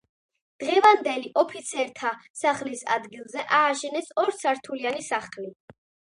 დღევანდელი ოფიცერთა სახლის ადგილზე ააშენეს ორსართულიანი სახლი.